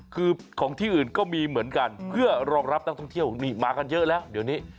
คือของที่อื่นก็มีเหมือนกันเพื่อรองรับนักท่องเที่ยวนี่มากันเยอะแล้วเดี๋ยวนี้